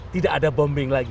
tidak ada bombing lagi